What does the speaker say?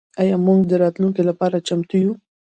آیا موږ د راتلونکي لپاره چمتو یو؟